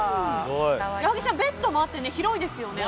矢作さん、ベッドもあって広いですよね。